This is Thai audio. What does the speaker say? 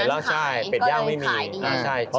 แบบนั้นขายเกิดใช้ได้หรือยัง